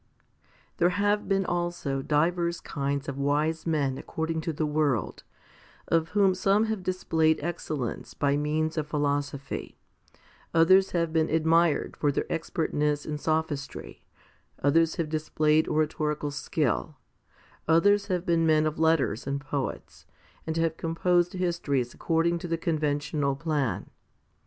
2. There have been also divers kinds of wise men 1 Luke xiv. 26. 2 Matt. x. 37 ff. 281 282 FIFTY SPIRITUAL HOMILIES according to the world ; of whom some have displayed excellence by means of philosophy; others have been admired for their expertness in sophistry, others have dis played oratorical skill ; others have been men of letters and poets, and have composed histories according to the con ventional plan.